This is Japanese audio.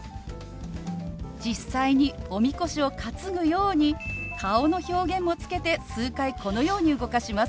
実際におみこしを担ぐように顔の表現もつけて数回このように動かします。